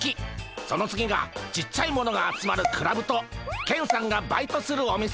その次がちっちゃいものが集まるクラブとケンさんがバイトするお店。